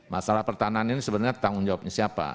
masalah pertahanan ini sebenarnya tanggung jawabnya siapa